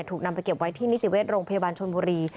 ถูกนำไปเก็บไว้ที่นิติเวชโรงพยาบาลชนบุรี